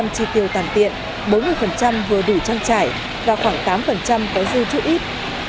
năm mươi chi tiêu tàn tiện bốn mươi vừa đủ trang trải và khoảng tám có dư chữ ít